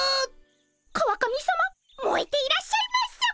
川上さまもえていらっしゃいます。